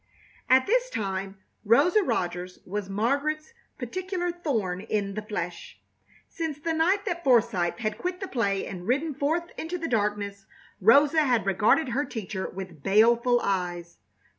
At this time Rosa Rogers was Margaret's particular thorn in the flesh. Since the night that Forsythe had quit the play and ridden forth into the darkness Rosa had regarded her teacher with baleful eyes.